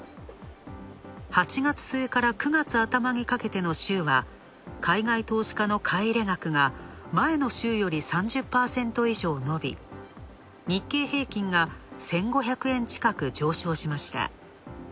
８月末から９月頭にかけての週は買い入れ額が前の週より３０％以上伸び、日経平均が１５００円近く上昇しました。